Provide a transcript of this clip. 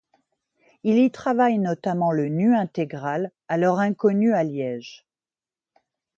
Il y travaille notamment le nu intégral, alors inconnu à Liège.